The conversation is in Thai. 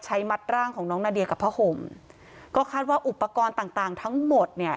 มัดร่างของน้องนาเดียกับผ้าห่มก็คาดว่าอุปกรณ์ต่างต่างทั้งหมดเนี่ย